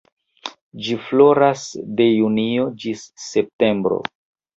Ĝi floras de junio ĝis septembro.